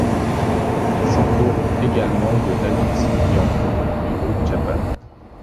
Il s'entoure également de David Sylvian du groupe Japan.